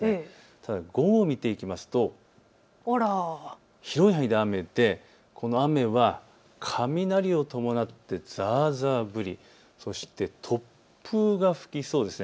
ただ午後を見ていきますと広い範囲で雨でこの雨は雷を伴ってざーざー降り、そして突風が吹きそうです。